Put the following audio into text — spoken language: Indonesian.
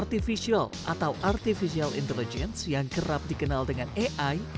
artificial atau artificial intelligence yang kerap dikenal dengan ai